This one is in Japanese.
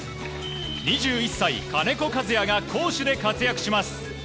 ２１歳、金子和也が攻守で活躍します。